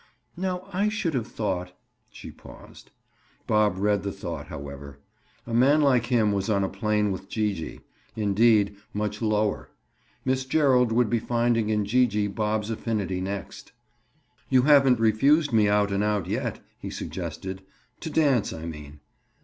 "Now I should have thought—" She paused. Bob read the thought, however. A man like him was on a plane with Gee gee; indeed, much lower. Miss Gerald would be finding in Gee gee Bob's affinity next. "You haven't refused me out and out, yet," he suggested. "To dance, I mean."